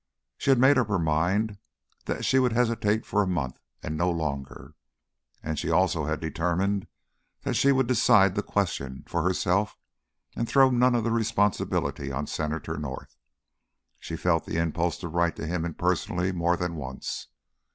She had made up her mind that she would hesitate for a month and no longer, and she also had determined that she would decide the question for herself and throw none of the responsibility on Senator North; she felt the impulse to write to him impersonally more than once.